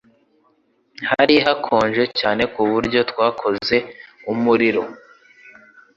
Hari hakonje cyane kuburyo twakoze umuriro.